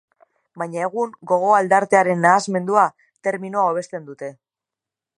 Baina egun gogo-aldartearen nahasmendua terminoa hobesten dute.